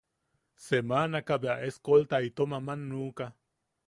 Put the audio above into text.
Semaanaka bea escolta itom aman nuʼuka.